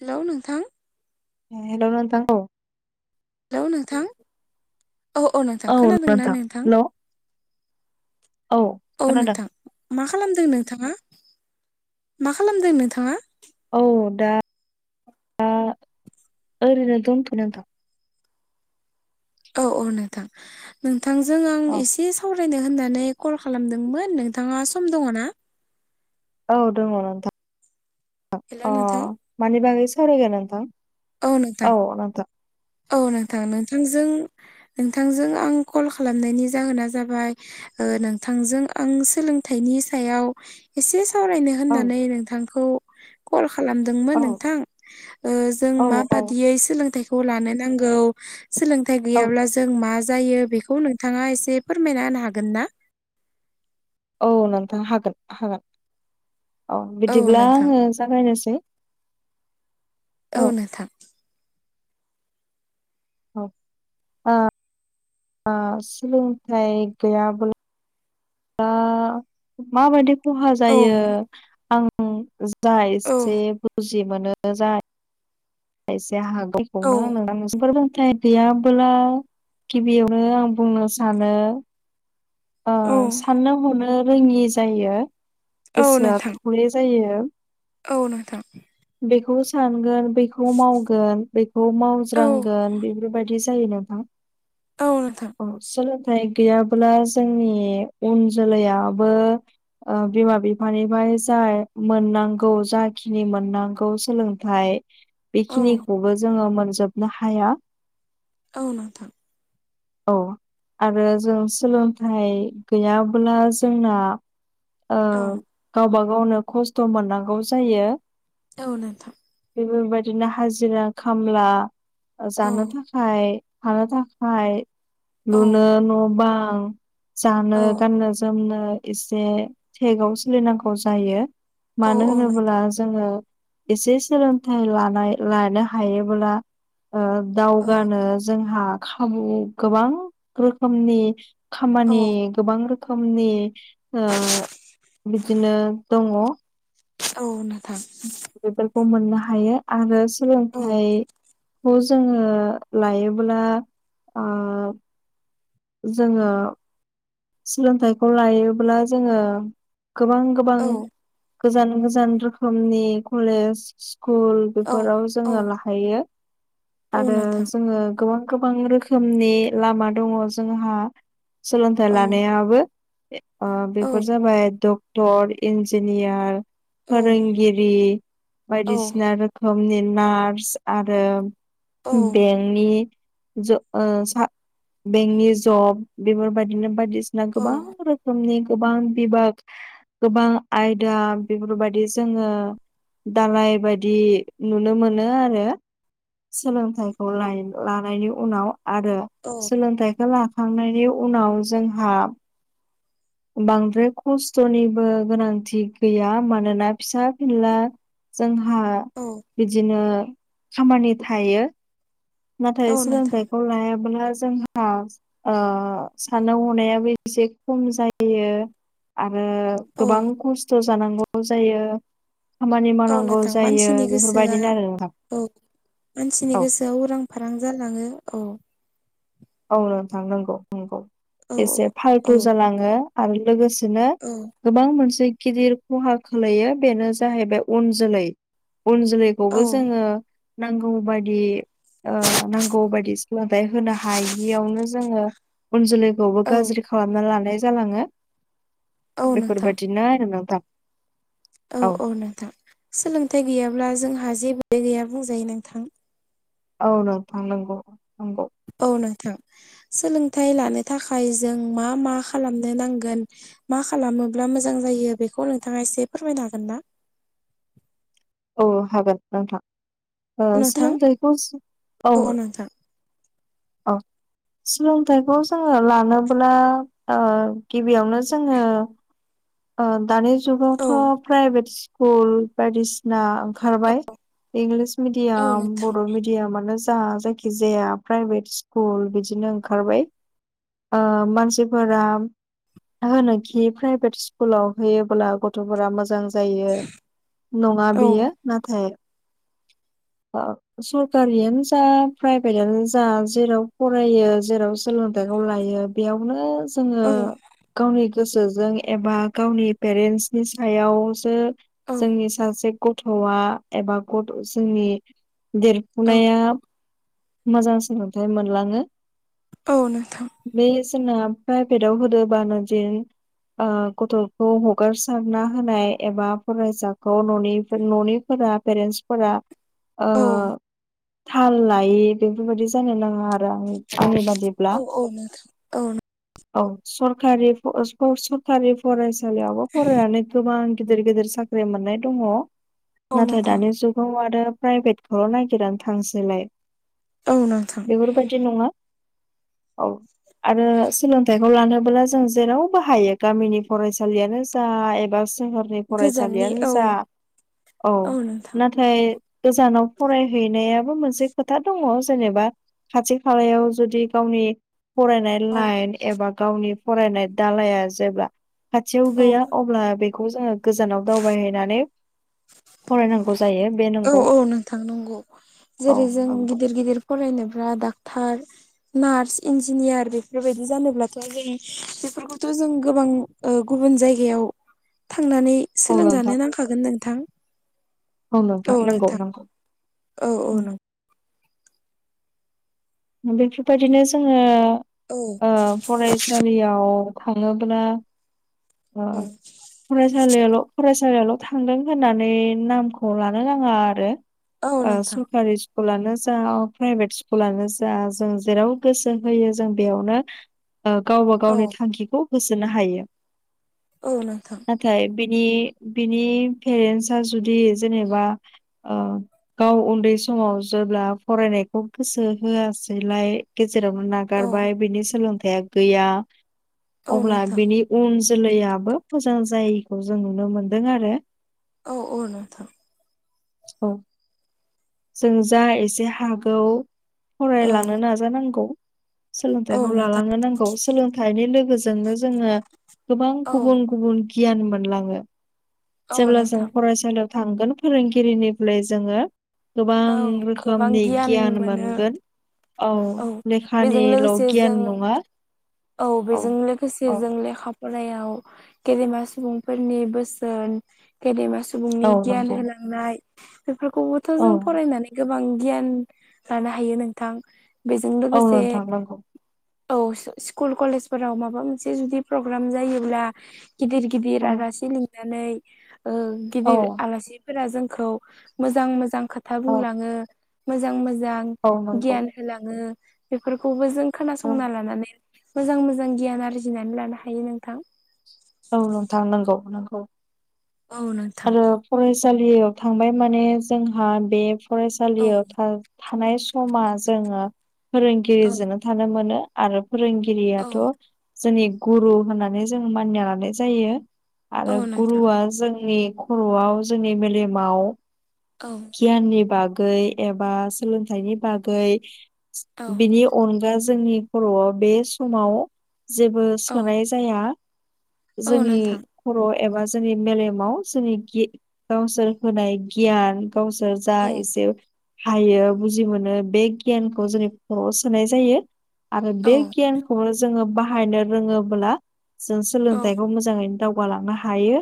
Hello नोंथां hello नोंथां औ हेलौ नोंथां औ औ नोंथां खोनादोंना नोंथां औ औ खोनादों नोंथां मा खालामदों नोंथाङा मा खालामदों नोंथाङा औ दा दा ओरैनो दोनथ'यो नोंथां औ औ नोंथां नोंथांजों आं औ एसे सावराय फरायनो होननानै कल खालामदोंमोन नोंथाङा सम दङ ना औ दङ नोंथां हेलौ अ नोंथां मानि बागै सावरायगोन नोंथां औ नोथां औ नोंथां नोंथांजों नोंथांजों आं कल खालामनायनि जाहोना जाबाय नोंथांजों आं सोलोंथाइनि सायाव एसे सावरायनो औ होननानै नोंथांखौ कल खालामदोंमोन औ नोंथां जों औ औ माबादियै सोलोंथाइखौ नांगौ सोलोंथाइ औ गैयाब्ला जों मा जायो बेखौ नोंथाङा एसे फोरमायना होनो हागोन ना औ नोंथां हागोन हागोन औ बिदिब्ला आङो जागायनोसै औ नोंथां ओ आ सल थाय गया बल दा माबायदि खहा औ जायो आं आं जा औ एसे बुजि मोनो जा फायसे औ हागखौनो नों नोंसोर दोनथाय [unintelligible] गैयाबोला गिबियावनो आं बुंनो सानो औ साननो हनो रोङि जायो औ गोसोआ [unintelligible] नोंथां थखयै जायो औ नोंथां बेखौबो सानगोन बेखौ बेखौ मावगोन बेखौ औ मावज्रांगोन बेफोरबायदि जायो नोंथां औ नोंथां सोलोंथाइ गैयाब्ला जोंनि उन जोलैयाबो बिमा बिफानिफ्राय जा मोननांगौ जाखिनि मोननांगौ सोलोंथाइ नाथाय औ बेखिनिखौबो जोङो मोनजोबनो हाया आ नोंथां औ आरो जों सोलोंथाय थाय [unintelligible] गैयाब्ला जोंना औ गावबा गावनो खस्थ' मोननांगौ जायो औ नोंथां बेफोरबायदिनो हाजिरा खामला औ जानो थाखाय [unintelligible] थाखाय थानो थाखाय औ लुनो न' बां जानो औ गाननो जोमनो एसे थेगाव सोलिनांगौ जायो औ मानो नोंथां होनोब्ला जोङो एसे सोलोंथाइ लानाय लानो हायोब्ला औ दावगानो जोंहा खाबु गोबां रोखोमनि औ खामानि गोबां रोखोमनि बिदिनो दङ औ नोंथां बेफोरखौ मोननो हायो आरो औ सोलोंथाइ खौ जोङो लायोब्ला ओ जोङो सोलोंथाइखौ लायोब्ला जोङो गोबां गोबां औ गोजान गोजान रोखोमनि कलेज स्कुल औ बेफोराव औ जोङो ला औ आरो नोंथां जोङो गोबां गोबां रोखोम [unintelligible] रोनि लामा दङ जोंहा सोलोंथाय सोलोंथाइ औ लानायाबो औ बेफोर जाबाय डक्टर इन्जिनियार औ फोरोंगिरि बायदिसिना रोखोमनि नार्स आरो बेंकनि बेंकनि [unintelligible] जब बेफोरबायदि बिदिनो बायदिसिना औ गोबां रोखोमनि गोबां बिभाग गोबां आयदा बेफोरबायदि जोङो दालाय बायदि नुनो मोनो आरो सोलोंथाइखौ लानायनि उनाव आरो औ सोलोंथाइखौ लाखांनायनि उनाव जोंहा बांद्राय खस्थ'निबो गोनांथि गैया मानोना फिसा फिनला जोंहा औ बिदिनो खामानि थायो नाथाय औ नोंथां सोलोंथाइ लायाब्ला जोंहा साननाय हनायाबो एसे खम जायो जायो आरो औ गोबां खस्थ' जानांगौ जायो खामानि औ मावनांगौ नोंथां जायो मानसिनि गोसोआ बेफोरबायदिनो आरो नोंथां औ मानसिनि औ। गोसोआव उरां फारां जालाङो औ औ नोंथां नंगौ नंगौ औ एसे औ फालथु जालाङो आरो लोगोसेनो औ गोबां मोनसे गिदिर खहा खोलैयो बेनो जाहैबाय उन जोलै उन औ जोलैखौबो जोङो नांगौ बायदि नांगौ बायदि सोलोंथाइ होनो हानाय [unintelligible] हायियावनो जोङो उन जोलैखौबो औ गाज्रि खालामना लानाय जालाङो औ बेफोर नोंथां बायदिनो आरो नोंथां औ औ नोंथां सोलोंथाइ गैयाब्ला जोंहा जेबो गैया बुंजायो नोंथां औ नोंथां नंगौ नंगौ औ नोंथां सोलोंथाइ लानो थाखाय जों मा मा खालामनो नांगोन मा खालामोब्ला मोजां जायो बेखौ नोंथाङा एसे फोरमायनो हागोन ना औ हागोन नोंथां नोंथां सोलोंथाइखौ औ औ सोलोंथाइखौ जोङो लानोब्ला गिबियावनो जोङो दानि औ जुगावथ' प्राइभेट स्कुल बायदिसिना ओंखारबाय इंलिस औ मिडियाम नोंथां बर' मिडियामानो जा जा जायखि जाया प्राइभेट स्कुल बिदिनो ओंखारबाय मानसिफोरा होनोखि प्राइभेट स्कुलाव होयोब्ला गथ'फोरा मोजां जायो नङा औ बियो नाथाय सरखारियानो जा प्राइभेटआनो जा जेराव फरायो जेराव सोलोंथाइखौ लायो बेयावनो जोङो औ गावनि गोसोजों एबा गावनि पेरेन्टसनि सायावसो औ जोंनि सासे गथ'आ एबा गथ' जोंनि औ देरफुनाया मोजां सोलोंथाइ मोनलाङो औ नोंथां बे [unintelligible] जोंना प्राइभेटाव होदोबानो जेन गथ' खौ हगारसारना होनाय एबा फरायसाखौ न'नि न'निफोरा पेरेन्टसफोरा औ थाल लायि बेफोरबायदि जानो नाङा आरो आंनि बादिब्ला औ औ नोंथां औ औ सरकारि सरखारि फरायसालियावबो फरायनानै गोबां गिदिर गिदिर साख्रि मोननाय दङ औ नाथाय नोंथां दानि जुगाव आरो प्राइभेट थर' नायगिरनानै थांसैलाय [unintelligible] औ नोंथां बेेफोर बादि नङा औ आरो सोलोंथाइखौ लानोबोला जों जेरावबो हायो गामिनि फरायसालि फरायसालियानो जा एबा सोहोरनि गोजाननि फरायसालियानो औ जा औ नाथाय गोजानाव फरायहैनायाबो मोनसे खोथा दङ जेनेबा खाथि खालायाव जुदि गावनि फरायनाय औ लाइन एबा गावनि फरायनाय दालाया जेब्ला खाथियाव औ गैया अब्ला बेखौ जोङो गोजानाव दावबायहैनानै फरायनांगौ। जायो। बे औ नंगौ औ नोंथां नंगौ औ जेरै जों नंगौ गिदिर गिदिर फरायनोब्ला डाक्टार नार्स इन्जिनियार बेफोरबायदि जानोब्लाथ' जों बेफोरखौथ' जों गोबां गुबुन जायगायाव थांनानै औ नोंथां सोलोंजानो नांखागोन नोंथां। औ नोंथां औ औ नंगौ बेफोरबायदिनो जोङो औ ओ फरायसालियाव थाङोब्ला ओ फरायसालिल' [unintelligible] फरायसालियावल' थांदों होननानै नामखौ लानो नाङा आरो। औ नोंथां सरकारि स्कुलानो जा प्राइभेट स्कुलानो जा जा जों जेराव गोसो होयो जों बेयावनो गावबा औ गावनि थांखिखौ होसोनो हायो। औ नोंथां नाथाय बिनि बिनि पेरेनसआ जुदि जेनेबा गाव उन्दै समाव जेब्ला फरायनायखौ गोसो होआसैलाय गेजेरावनो औ नागारबाय बिनि सोलोंथाया गैया औ अब्ला नोंथां बिनि उन जोलैयाबो मोजां जायैखौ जों नुनो मोनदों आरो। औ औ नोंथां। औ जों जा एसे हागौ औ फरायलांनो नाजानांगौ औ सोलोंथाइखौ नोंथां लालांनो नांगौ। सोलोंथाइनि लोगोजोंनो जोङो गोबां औ गुबुन गुबुन गियान मोनलाङो। औ जेब्ला जों नोंथां फरायसालियाव थांगोन फोरोंगिरिनिफ्राय जोङो गोबां औ गोबां रोखोमनि गियान मोनो मोनगोन। औ बेजों लेखानिल' लोगोसे जों गियान नङा औ बेजों लोगोसे औ जों लेखा फरायाव गेदेमा सुबुंफोरनि बोसोन गेदेमा सुबुंनि औ गियान नंगौ होनाय थांनाय बेफोरखौबोथ' औ जों फरायनानै गोबां गियान लानो हायो नोंथां। बेजों औ लोगोसे नोंथां नंगौ औ स्कुल कलेजफोराव माबा मोनसे जुदि प्रग्राम जायोब्ला गिदिर गिदिर औ आलासि लिंनानै औ गिदिर आलासि फोरा जोंखौ मोजां मोजां खोथा औ बुंलाङो मोजां मोजां औ नंगौ गियान होलाङो बेफोरखौबो जों औ खोनासंना लानानै मोजां मोजां गियान आरजिनानै लानो हायो नोंथां। औ नोंथां नंगौ नंगौ औ नोंथां आरो फरायसालियाव थांबाय माने जोंहा बे औ फरायसालियाव थां थानाय समा जोङो औ फोरोंगिरिजोंनो थानो मोनो आरो औ फोरोंगिरियाथ' जोंनि गुरु होननानै जों मानिना लानाय जायो। औ आरो नोंथां गुरुआ जोंनि खर'आव जोंनि मेलेमाव औ गियाननि बागै एबा सोलोंथाइनि बागै औ बिनि अनगा जोंनि खर'आव बे समाव जेबो औ सोनाय [unintelligible] जाया औ जोंनि नोंथां खर एबा जोंनि मेलेमाव जोंनि गावसोर होनाय गियान गावसोर जा औ इसे हायो बुजि मोनो बे गियानखौ जोंनि खर'आव सोनाय जायो। आरो औ बे गियानखौनो जोङो बाहायनो रोङोब्ला जों औ सोलोंथाइखौ मोजां मोजाङैनो दावगालांनो हायो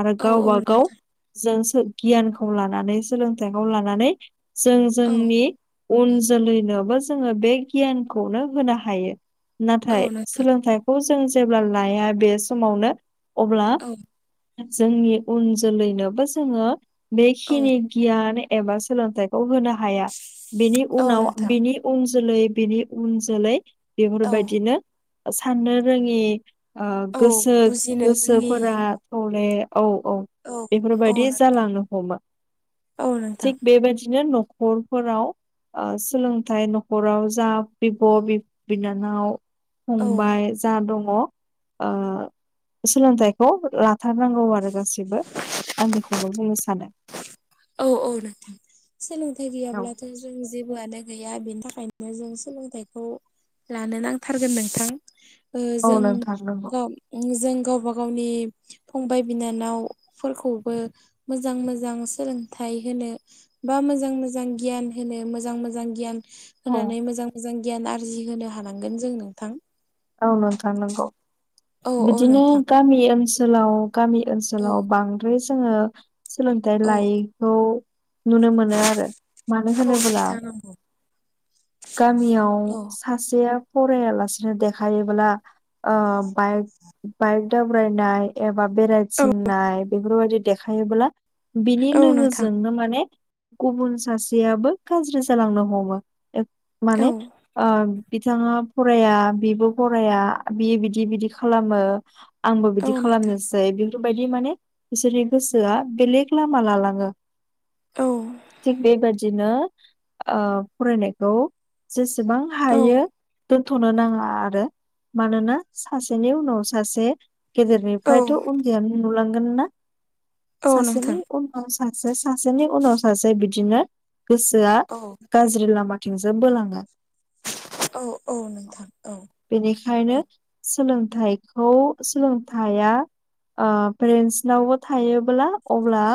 आरो औ औ गावबा गाव नोंथां जों गियानखौ लानानै सोलोंथाइखौ लानानै जों औ जोंनि उन जोलैनोबो जोङो बे गियानखौनो होनो हायो नाथाय औ नोंथां सोलोंथाइखौ जों जेब्ला लाया बे समावनो अब्ला औ जोंनि उन जोलैनोबो जोङो औ बेखिनि गियान एबा सोलोंथाइखौ होनो हाया बिनि औ उनाव नोंथां बिनि उन जोलै बिनि उन जोलै औ बेफोरबायदिनो साननो रोङि औ गोसो बुजिनो रोङि गोसोफोरा [unintelligible] औ औ औ औ बेफोरबायदि जालांनो हमो औ नोंथां थिग बेबायदिनो न'खरफोराव सोलोंथाइ न'खराव जा बिब' बिनानाव औ फंबाय जा दङ सोलोंथाइखौ लाथारनांगौ आरो गासैबो आं बेखौनो बुंनो सानो औ औ नोंथां सोलोंथाइ औ गैयाब्लाथ' जों जेबोआनो गैया बेनि थाखायनो जों सोलोंथाइखौ लानो नांथारगोन नोंथां औ जों नोंथां नंगौ गाव जों गावबा गावनि फंबाय बिनानावफोरखौबो मोजां मोजां सोलोंथाइ [unintelligible] होनो बा मोजां मोजां गियान होनो मोजां मोजां गियान औ होनानै मोजां मोजां मोजां गियान आरजि होनो हानांगोन जों नोंथां ओ नोंथां नंगौ औ औ बिदिनो नोंथां गामि ओनसोलाव गामि औ ओनसोलाव बांद्राय जोङो सोलोंथाय औ लायिखौ नुनो मोनो आरो मानो औ होनोब्ला नोंथां नंगौ गामियाव औ सासेया फरायालासेनो देखायोब्ला बाइक बाइक दाबारायनाय एबा औ बेरायथिंनाय बेफोरबायदि देखायोब्ला बिनि औ नोंथां लोगोजोंनो माने गुबुन सासेयाबो गाज्रि जालांनो हमो औ माने आ बिथाङा फराया बिबो फराया बियो बिदि बिदि खालामो आंबो बिदि औ बिदि नोंथां खालामनोसै बेफोरबायदि माने बिसोरनि गोसोआ बेलेग लामा लालाङो औ थिग बेबायादिनो फरायनायखौ जेसेबां औ हायो दोन्थ'नो नाङा आरो मानोना सासेनि उनाव सासे औ गेदेरनिफ्रायथ' उन्दैयानो नुलांगोन ना औ नोंथां सासेनि उनाव सासे सासेनि उनाव सासे बिदिनो गोसोआ औ गाज्रि लामाथिंसो बोलाङो औ औ नोंथां औ बेनिखायनो औ सोलोंथाइखौ सोलोंथाया पेरेन्सनावबो थायोब्ला अब्ला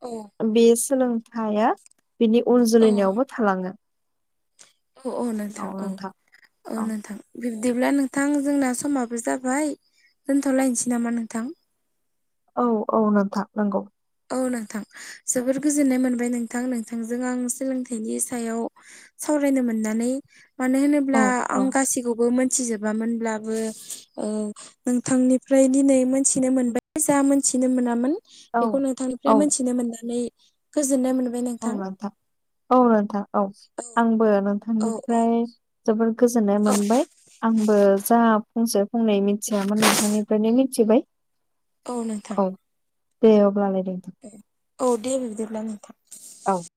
औ बे सोलोंथाया बिनि उन औ जोलैनियावबो थालाङो औ औ नोंथां औ औ नोंथां बिब्दिब्ला नोंथां जोंना समाबो जाबाय दोनथ'लायनोसै नामा नोंथां औ औ नोंथां नंगौ औ नोंथां जोबोर गोजोननाय मोनबाय नोंथां नोंथांजों आं सोलोंथाइनि सायाव सावरायनो मोननानै मानो औ होनोब्ला औ आं गासैखौबो मोन मिथिजोबामोनब्लाबो औ नोंथांनिफ्राय दिनै मोनथिनो मोनबाय जा मोनथिनो मोनामोन औ बेखौ औ नोंथांनिफ्राय मोनथिनो मोननानै गोजोननाय मोनबाय नोंथां औ नोंथां औ नोंथां औ आंबो औ नोंथांनिफ्राय जोबोद गोजोननाय औ मोनबाय आंबो जा फंसे [unintelligible] बुंंनाय मिथियामोन नोंथांनिफ्रायनो मिथिबाय औ नोंथां दे अब्ला लाय दे औ दे बिबदिब्ला नोंथां औ